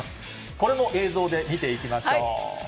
これも映像で見ていきましょう。